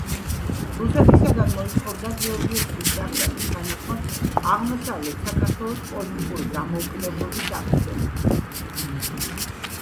რუსეთისგან მოითხოვდა გეორგიევსკის ტრაქტატის თანახმად აღმოსავლეთ საქართველოს პოლიტიკური დამოუკიდებლობის აღდგენას.